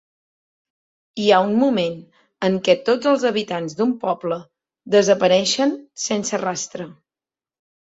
Hi ha un moment en què tots els habitants d'un poble desapareixen sense rastre.